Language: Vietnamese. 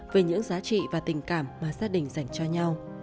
về những giá trị và tình cảm mà gia đình dành cho nhau